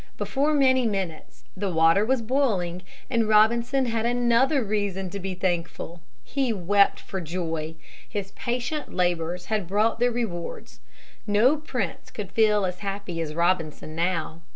Before many minutes the water was boiling and Robinson had another reason to be thankful. He wept for joy. His patient labors had brought their rewards. No prince could feel as happy as Robinson now.